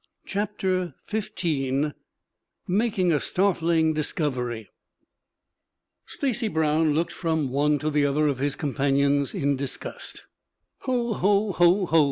CHAPTER XV MAKING A STARTLING DISCOVERY Stacy Brown looked from one to the other of his companions in disgust. "Ho, ho! ho, ho!"